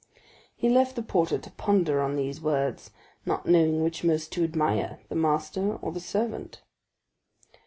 He left the porter to ponder on these words, not knowing which most to admire, the master or the servant.